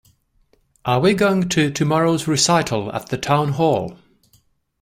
Are we going to tomorrow's recital at the town hall?